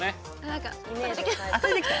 何か取れてきた。